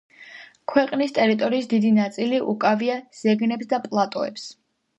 ქვეყნის ტერიტორიის დიდი ნაწილი უკავია ზეგნებს და პლატოებს.